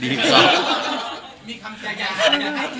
มีคำสัญญาอยากให้เจอแฟนบ้างคำสัญญา